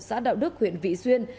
xã đạo đức huyện vị xuyên